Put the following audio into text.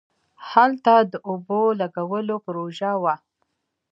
هلته د اوبو لگولو پروژه وه.